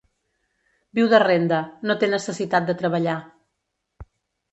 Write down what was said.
Viu de renda: no té necessitat de treballar.